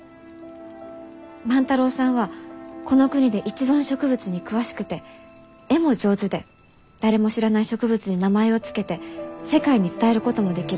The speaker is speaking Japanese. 万太郎さんはこの国で一番植物に詳しくて絵も上手で誰も知らない植物に名前を付けて世界に伝えることもできる。